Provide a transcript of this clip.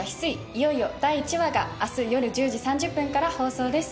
いよいよ第１話が明日夜１０時３０分から放送です。